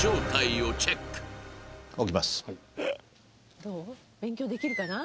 「どう？勉強できるかな？